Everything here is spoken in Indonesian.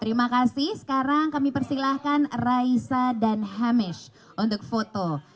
terima kasih sekarang kami persilahkan raisa dan hamish untuk foto